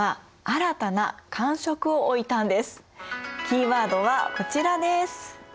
キーワードはこちらです。